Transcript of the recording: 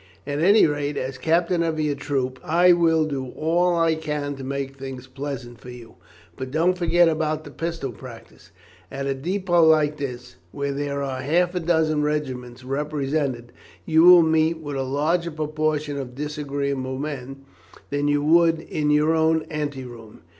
At any rate, as captain of your troop, I will do all I can to make things pleasant for you, but don't forget about the pistol practice. At a depôt like this, where there are half a dozen regiments represented, you will meet with a larger proportion of disagreeable men than you would in your own ante room.